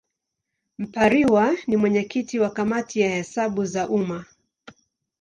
Mpariwa ni mwenyekiti wa Kamati ya Hesabu za Umma.